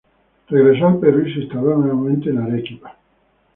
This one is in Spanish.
Regresó al Perú y se instaló nuevamente en Arequipa.